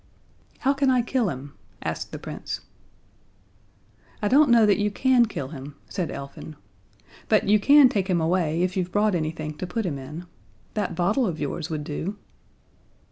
"How can I kill him?" asked the Prince. "I don't know that you can kill him," said Elfin, "but you can take him away if you've brought anything to put him in. That bottle of yours would do."